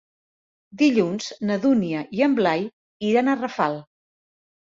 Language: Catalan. Dilluns na Dúnia i en Blai iran a Rafal.